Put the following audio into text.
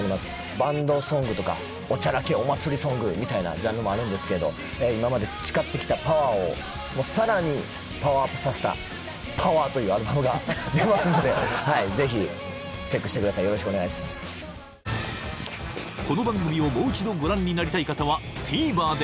バンドソングとかおちゃらけお祭りソングみたいなジャンルもあるんですけど今まで培ってきたパワーをさらにパワーアップさせた「ＰＯＷＥＲ」というアルバムが出ますのではいぜひチェックしてくださいよろしくお願いしますお？